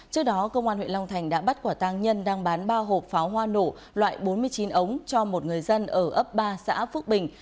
trước đó công an huyện long thành đã bắt quả tăng nhân đang bán ba hộp pháo hoa nổ loại bốn mươi chín ống cho một người dân ở ấp ba xã phước bình